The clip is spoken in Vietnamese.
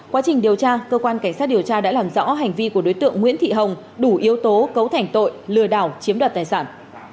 quá trình điều tra cơ quan cảnh sát điều tra đã làm rõ hành vi của đối tượng nguyễn thị hồng đủ yếu tố cấu thành tội lừa đảo chiếm đoạt tài sản